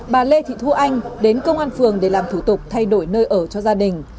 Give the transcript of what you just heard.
bà lê thị thu anh đến công an phường để làm thủ tục thay đổi nơi ở cho gia đình